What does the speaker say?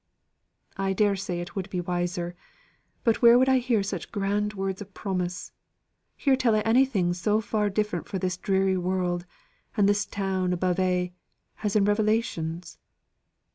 "I dare say it would be wiser; but where would I hear such grand words of promise hear tell o' anything so far different fro' this dreary world, and this town above a' as in Revelations?